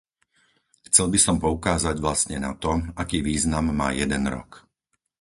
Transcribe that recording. Chcel by som poukázať vlastne na to, aký význam má jeden rok.